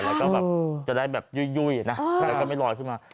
แล้วก็แบบจะได้แบบยุ่ยนะแล้วก็ไม่ลอยขึ้นมา